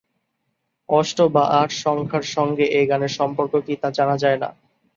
অষ্ট বা আট সংখ্যার সঙ্গে এ গানের সম্পর্ক কি, তা জানা যায় না।